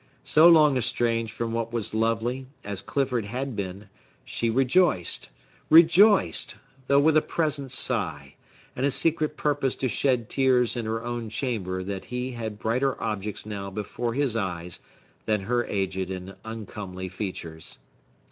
So long estranged from what was lovely as Clifford had been, she rejoiced—rejoiced, though with a present sigh, and a secret purpose to shed tears in her own chamber that he had brighter objects now before his eyes than her aged and uncomely features.